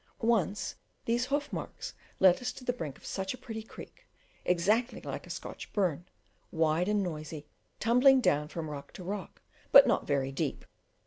Once these hoof marks led us to the brink of such a pretty creek, exactly like a Scotch burn, wide and noisy, tumbling down from rock to rock, but not very deep.